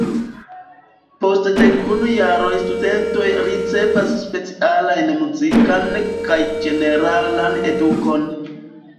Post dekunu jaroj studentoj ricevas specialajn muzikan kaj ĝeneralan edukon.